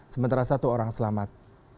sementara satu orang selamat